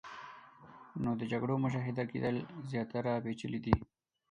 نو د جګړو مشاهده کېدل زیاتره پیچلې دي.